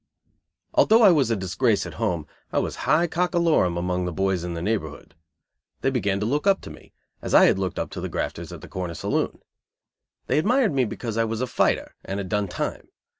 Although I was a disgrace at home, I was high cock a lorum among the boys in the neighborhood. They began to look up to me, as I had looked up to the grafters at the corner saloon. They admired me because I was a fighter and had "done time."